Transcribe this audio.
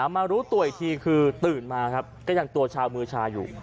มารู้ตัวอีกทีคือตื่นมาครับก็ยังตัวชาวมือชาอยู่